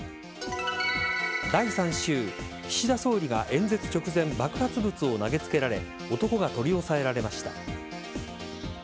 第３週岸田総理が演説直前爆発物を投げつけられ男が取り押さえられました。